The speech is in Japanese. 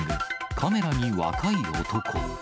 カメラに若い男。